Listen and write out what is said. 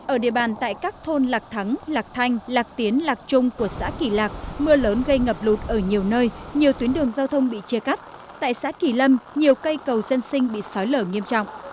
ở địa bàn tại các thôn lạc thắng lạc thanh lạc tiến lạc trung của xã kỳ lạc mưa lớn gây ngập lụt ở nhiều nơi nhiều tuyến đường giao thông bị chia cắt tại xã kỳ lâm nhiều cây cầu dân sinh bị sói lở nghiêm trọng